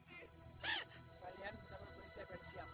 kalian tahu berita dari siapa